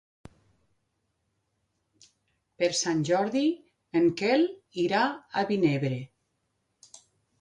Per Sant Jordi en Quel irà a Vinebre.